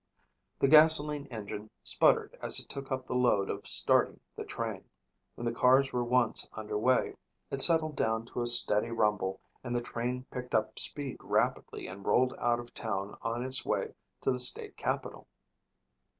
The gasoline engine sputtered as it took up the load of starting the train. When the cars were once under way, it settled down to a steady rumble and the train picked up speed rapidly and rolled out of town on its way to the state capital.